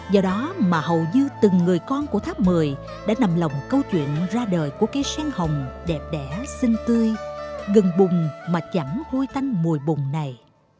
do đó mà hầu như từng người con của tháp một mươi đã nằm lòng câu chuyện ra đời của cây sen hồng đẹp đẻ sinh tươi gần bùng mà chẳng hôi tanh mùi bùng này